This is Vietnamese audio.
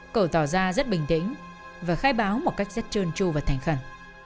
cầu tỏ ra rất bình tĩnh và khai báo một cách rất trơn tru và thành khẩn